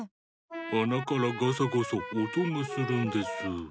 あなからガサゴソおとがするんです。